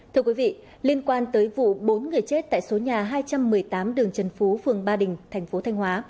thưa quý vị liên quan tới vụ bốn người chết tại số nhà hai trăm một mươi tám đường trần phú phường ba đình thành phố thanh hóa